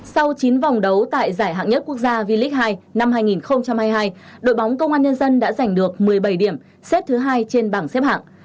sau chín vòng đấu tại giải hạng nhất quốc gia v leage hai năm hai nghìn hai mươi hai đội bóng công an nhân dân đã giành được một mươi bảy điểm xếp thứ hai trên bảng xếp hạng